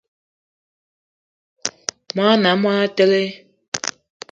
Món ané a monatele